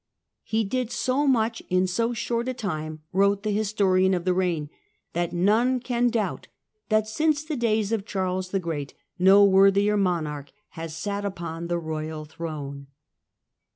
" He did so much in so short a time," wrote the historian of the reign, *' that none can doubt that since the days of Charles the Great no worthier monarch has sat upon the royal throne."